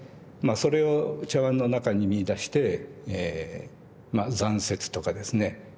それを茶碗の中に見いだしてえまあ残雪とかですね